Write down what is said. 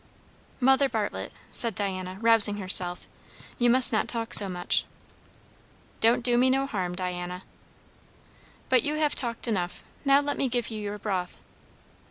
"Mother Bartlett," said Diana, rousing herself, "you must not talk so much." "Don't do me no harm, Diana." "But you have talked enough. Now let me give you your broth."